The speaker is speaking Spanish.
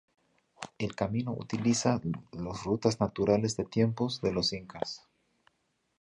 El camino utiliza los rutas naturales de tiempos de los incas.